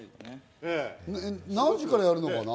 何時からやるのかな？